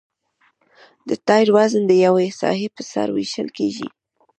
د ټایر وزن د یوې ساحې په سر ویشل کیږي